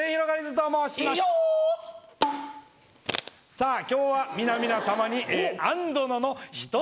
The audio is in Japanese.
さぁ今日は皆々様に。